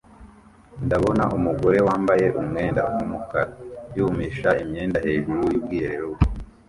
Ndabona umugore wambaye umwenda wumukara yumisha imyenda hejuru yubwiherero bwe